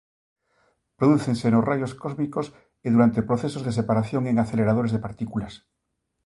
Prodúcense nos raios cósmicos e durante procesos de separación en aceleradores de partículas.